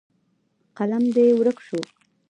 قلم دې ورک شو.